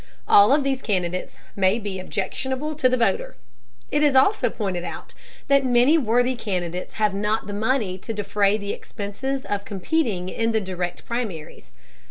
All of these candidates may be objectionable to the voter. It is also pointed out that many worthy candidates have not the money to defray the expense of competing in the Direct Primaries.